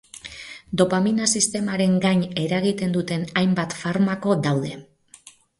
Dopamina sistemaren gain eragiten duten hainbat farmako daude.